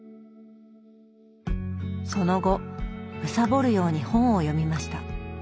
その後むさぼるように本を読みました。